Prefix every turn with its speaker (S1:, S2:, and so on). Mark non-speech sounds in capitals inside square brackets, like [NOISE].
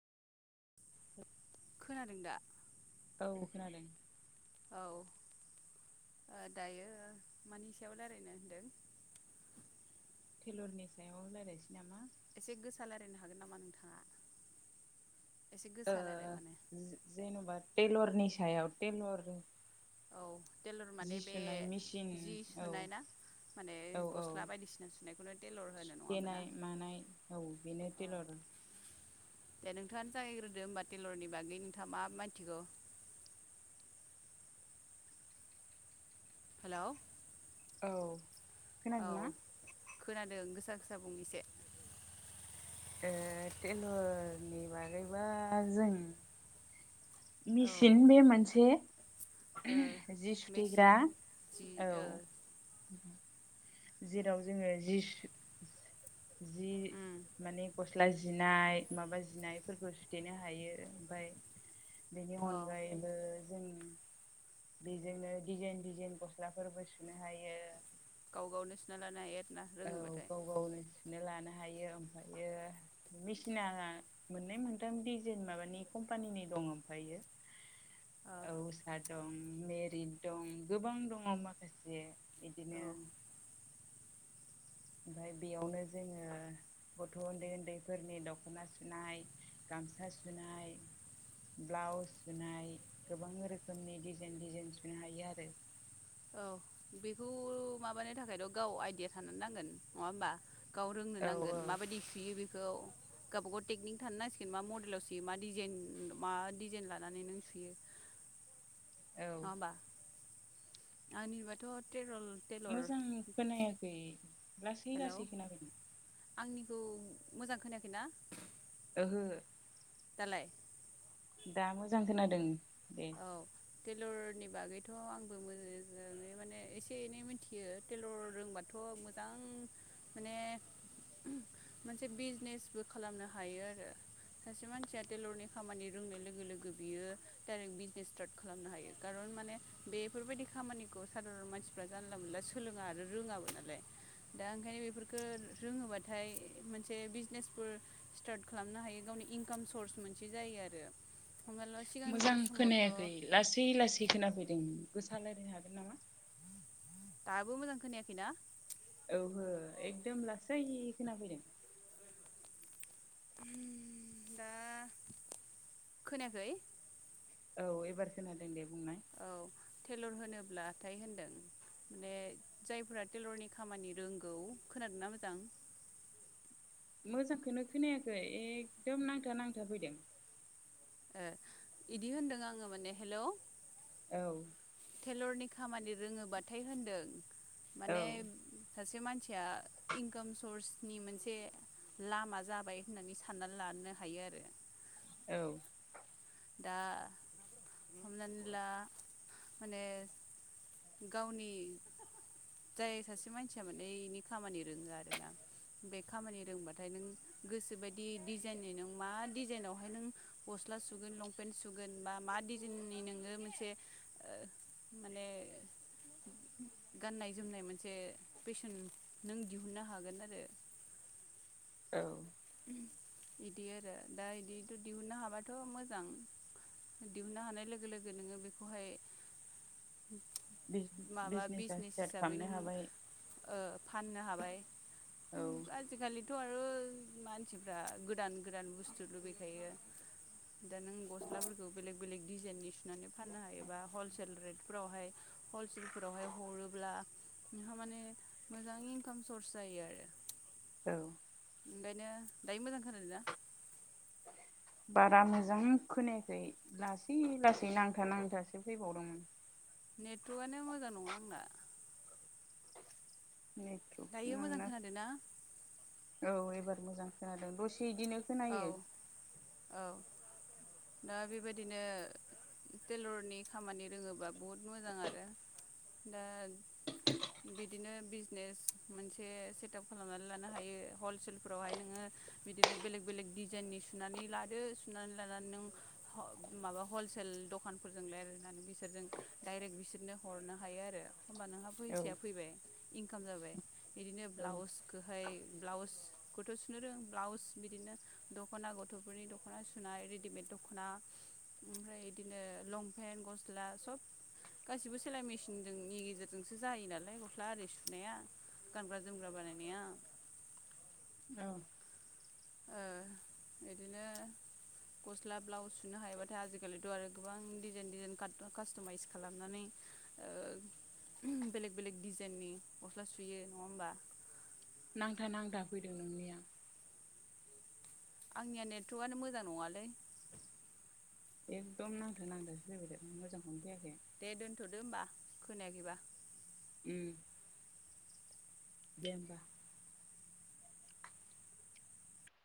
S1: [INAUDIBLE]
S2: खोनादों दा?
S1: औ खोनादों।
S2: औ दायो मानि सायाव रायलायनो होनदों?
S1: टेलरनि सायाव रायज्लायनोसै नामा?
S2: एसे गोसा रायज्लायनो हागोन नामा नोंथाङा एसे गोसा रायज्लाय
S1: ओ
S2: माने
S1: जेन'बा टेलरनि सायाव टेलरनि
S2: औ टेलर माने
S1: जि
S2: बे
S1: सुनाय मेचिन
S2: जि
S1: औ
S2: सुनाय ना माने
S1: औ औ
S2: गस्ला बायदिसिना सुनायखौनो टेलर होनो नङा होमबा ना
S1: [UNINTELLIGIBLE] मानाय औ बेनो
S2: अ
S1: तेलर।
S2: दे नोंथांङा आानो जागायग्रोदो होमबा टेलरनि बागै नोंथांङा मा मानथिखौ। हेलौ
S1: औ
S2: औ
S1: खोनादोंना
S2: खोनादों गोसा गोसा बुं इसे।
S1: ओ तेलरनि बागैबा जों
S2: औ
S1: मेसिन बे मोनसे।
S2: ओ
S1: जि
S2: मेचिन
S1: सुथेग्रा
S2: जि
S1: औ
S2: ओ
S1: जेराव जोंङो जि जि
S2: उम
S1: माने गस्ला जिनाय माबा जिनायफोरखौ सुथेनो हायो ओमफफ्राय बेनि
S2: औ
S1: अनगायै ओ जों बेजोंनो डिजाइन डिजाइन गस्लाफोरबो सुनो हायो।
S2: गाव गावनो सुना लानो हायो आरो ना।
S1: औ गाव गावनो सुना लानो हायो ओमफ्रायो मेसिना मोननै मोनथाम दिडिजाइन माबानि कम्पानिनि दं ओमफयो
S2: [INAUDIBLE]
S1: औसा दं मेरि दं गोबां दङ माखासे। बिदिनो
S2: औ
S1: ओमफफ्राय बेयावनो जोङो गथ' उन्दै उन्दैफोरनि दख'ना सुनाय गामसा सुनाय ब्लाउस सुनाय गोबां रोखोमनि डिजाइन डिजाइन सुनो हायो आरो।
S2: औ बेखौ माबानो थाखायथ' गाव आइडिया थानो नांगोन नङा होमबा? गाव रोंनो
S1: औ
S2: नांगोन
S1: औ
S2: माबायदि सुयो बेखौ। गावबाागाव टेकनिक थानो नांसिगोन मा मडेलाव सुयो मा डिजाइन मा डिजाइन लानानै नों सुयो।
S1: औ
S2: नंङा होनबा? आंनिबाथ' तेरल
S1: मोजां खोनायाखै लासै
S2: हेलौ
S1: लासै खोनाफैदों
S2: आंनिखौ मोजां खोनायाखै ना?
S1: ओहो
S2: दालाय
S1: दा मोजां खोनादों दे
S2: औ टेलरनि बागैथ' आंबो मोजाङै माने एसे एनै मिथियो टेलर रोंबाथ' गोबां माने मोनसे बिजनेसबो खालामनो हायो आरो सासे मानसिया टेल'रनि खामानि रोंनाय लोगो लोगो बियो डाइरेक्ट बिजनेस स्टार्ट खालामनो हायो खारन माने बेफोरबायदि खामानिखौ सादारन मानसि फ्रा जानला मोनला सोलोङा आरो रोङाबो नालाय दा ओंखायनो बेफोरफोरखौ रोङोबाथाय मोनसे बिजनेसफोर स्टार्ट खालामनो हायो गावनि इनकाम सर्स मोनसे जायो आरो हमनाला सिगांनि
S1: मोजां
S2: समावथ'
S1: खोनायाखै लासै लासै खोनाफैदों गोसा रायलायनो हागोन नामा?
S2: दाबो मोजां खोनायाखैना?
S1: औहो एकदम लासै खोना फैदों
S2: दा खोनायाखै
S1: औ एबार खोनादों दे बुंनाय
S2: औ टेलर होनोब्लाथाय होनदों माने जायफोरा टेलरनि खामानि रोंगौ खोनादोंना मोजां
S1: मोजांखौनो खोनायाखै एखदम नांथा नांथा फैदों
S2: इदि होनदों आङो माने हेलौ
S1: औ
S2: टेलरनि खामानि रोङोबाथाय होनदों
S1: औ
S2: माने सासे मानसिया इनकाम सर्सनि मोनसे लामा जाबाय होननानै साननानै लानो हायो आरो
S1: औ
S2: दा हमनानै ला माने गावनि जाय सासे मानसिया माने इनि खामानि रोङो आरोना बे खामानि रोंबाथाय नों गोसोबायदि डिजाइननि नों मा डिजाइनावहाय नों गस्ला सुगोन लं पेन सुगोन बा मा डिजाइननि नोङो मोनसे माने गाननाय जोमनाय मोनसे फेसन नों दिहुनन्नो हागोन आरो
S1: औ
S2: बिदि आरो दा इदिथ' दिहुननो हाबाथ' मोजां दिहुननो हानाय लोगो लोगो नोङो बेखौहाय माबा
S1: बिजनेसा
S2: बिजनेस
S1: स्टार्ट
S2: हिसाबै
S1: खालामनो
S2: नों
S1: हाबाय
S2: फाननो हाबाय
S1: औ
S2: आजिखालिथ' आरो मानसिफ्रा गोदान गोदान बुस्थु लुबैखायो दा नों गसलाफोरखौ बेलेक बेलेक डिजाइननि सुनानै फाननो हायोबा हलसेल रेटफोरावहाय हलसेलफोरावहाय हरोब्ला नोंहा माने मोजां इनकाम सर्स जायो आरो
S1: औ
S2: ओंखायनो दायो मोजां खोनादो ना
S1: बारा मोजां खोनायाखै लासै लासै नांथा नांथासो फैबावदोंमोन
S2: नेटवार्कआनो मोजां नङा आंना
S1: उम [UNINTELLIGIBLE]
S2: दायो मोजां खोनादों ना?
S1: औ एबार मोजां खोनादों दसे इदिनो
S2: औ
S1: खोनायो
S2: औ। दा बेबायदिनो टेलरनि खामानि रोङोबा बहुद मोजां आरो। दा बिदिनो बिजनेस मोनसे सेटाप खालामनानै लानो हायो हलसेलफोरावहाय नोङो बिदिनो बेलेग बेलेग डिजाइननि सुनानै लादो सुनानै लानानै नों ह माबा हलसेल दखानफोरजों रायलायनानै बिसोरजों डायरेक्ट बिसोरनो हरनो हायो आरो। होमबा नोंहा
S1: औ
S2: फैसाया फैबाय इनकाम जाबाय। बिदिनो
S1: औ
S2: ब्लाउसखोहाय ब्लाउसखौथ' सुनो रों ब्लाउस बिदिनो दख'ना गथ'फोरनि दख'ना सुनाय रेडिमेड दख'ना ओमफ्राय बिदिनो लंपेन्ट गस्ला सब गासिबो सेलाय मेसिनदोंनि गेजेरजोंसो जायो नालाय गस्ला आरि सुनाया। गानग्रा-जोमग्रा बानायनाया
S1: औ।
S2: ओ बिदिनो गस्ला ब्लाउस सुनो हायोबाथाय आजिखालिथ' आरो गोबां डिजाइन डिजाइन का-कास्टमाइस खालामनानै ओ बेलेग बेलेग डजाइननि गस्ला सुयो नङा होमबा।
S1: नांथा नांथा फैदों नोंनिया।
S2: आंनिया नेटवर्कआनो मोजां नङालै।
S1: एखदम नांथा नांथासो फैबायथादो मोजांखौनो फैयाखै।
S2: दे दोन्थ'दो होनबा खोनायाखैबा।
S1: उम दे होमबा।